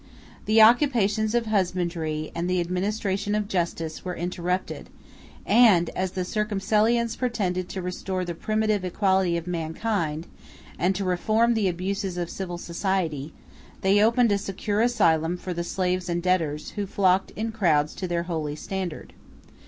The occupations of husbandry, and the administration of justice, were interrupted; and as the Circumcellions pretended to restore the primitive equality of mankind, and to reform the abuses of civil society, they opened a secure asylum for the slaves and debtors, who flocked in crowds to their holy standard.